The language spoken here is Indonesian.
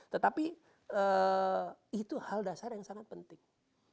tetapi itu hal dasar yang sangat penting